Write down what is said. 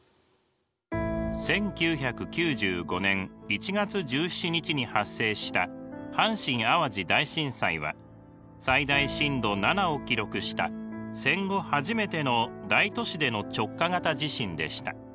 １９９５年１月１７日に発生した阪神・淡路大震災は最大震度７を記録した戦後初めての大都市での直下型地震でした。